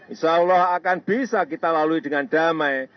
insyaallah akan bisa kita lalui dengan damai